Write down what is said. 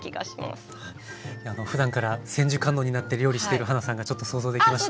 ふだんから千手観音になって料理してるはなさんがちょっと想像できました。